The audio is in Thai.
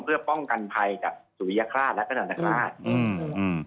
เพื่อป้องกันภัยจากสุริยฆราชและกระดับนักภาษณ์